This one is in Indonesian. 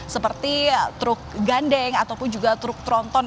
seperti truk gandeng ataupun juga truk tronton